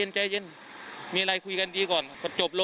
กู้ภัยก็เลยมาช่วยแต่ฝ่ายชายก็เลยมาช่วย